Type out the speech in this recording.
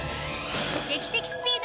劇的スピード！